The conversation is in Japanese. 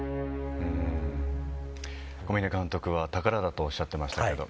小嶺監督は宝だとおっしゃってましたけど